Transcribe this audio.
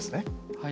はい。